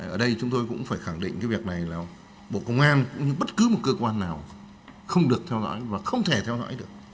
ở đây chúng tôi cũng phải khẳng định cái việc này là bộ công an cũng như bất cứ một cơ quan nào không được theo dõi và không thể theo dõi được